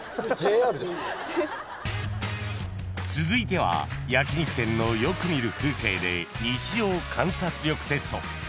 ［続いては焼き肉店のよく見る風景で日常観察力テスト］